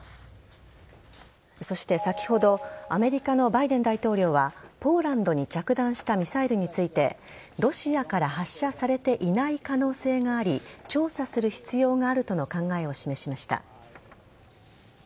そして先ほどアメリカのバイデン大統領はポーランドに着弾したミサイルについてロシアから発射されていない可能性があり調査する必要があるとの考えを示しました。